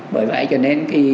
bởi vậy cho nên